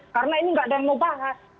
karena ini enggak ada yang mau bahas